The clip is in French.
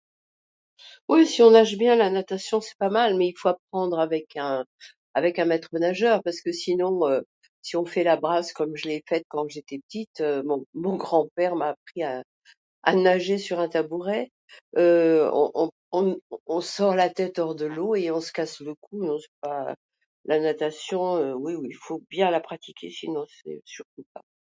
Oui si on nage bien la natation c'est pas mal, mais il faut apprendre avec un maître-nageur parce que sinon, si on fait la brasse comme je l'ai faite quand j'étais petite, bon... mon grand-père m'a appris à nager sur un tabouret, on sort la tête hors de l'eau et on se casse le cou. La natation oui oui faut bien la pratiquer sinon c'est... surtout pas.